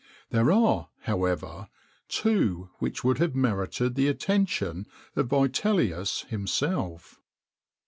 There are, however, two which would have merited the attention of Vitellius himself.